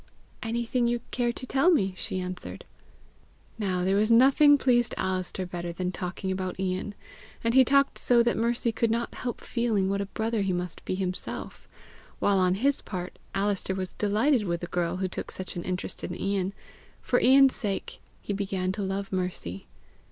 "Anything you care to tell me," she answered. Now there was nothing pleased Alister better than talking about Ian; and he talked so that Mercy could not help feeling what a brother he must be himself; while on his part Alister was delighted with the girl who took such an interest in Ian: for Ian's sake he began to love Mercy.